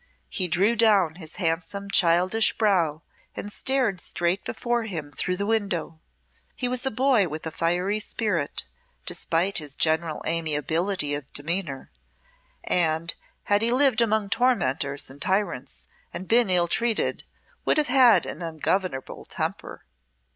He drew down his handsome childish brow and stared straight before him through the window. He was a boy with a fiery spirit, despite his general amiability of demeanour, and, had he lived among tormentors and tyrants and been ill treated, would have had an ungovernable temper.